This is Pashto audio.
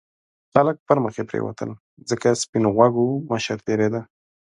خلک پرمخې پرېوتل ځکه سپین غوږو مشر تېرېده.